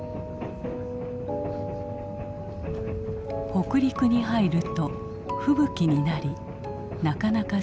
北陸に入ると吹雪になりなかなか進まなくなった。